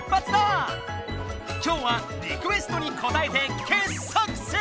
きょうはリクエストにこたえて傑作選！